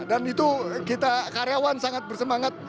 dan itu kita karyawan sangat bersemangat